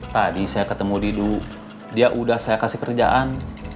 tadi saya ketemu didu dia udah saya kasih kerjaan